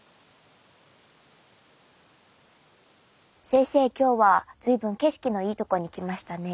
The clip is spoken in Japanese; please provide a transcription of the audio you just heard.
先生今日は随分景色のいいとこに来ましたね。